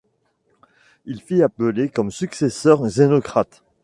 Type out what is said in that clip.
Il fit appeler comme successeur Xénocrate.